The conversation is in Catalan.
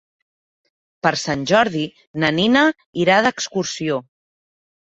Per Sant Jordi na Nina irà d'excursió.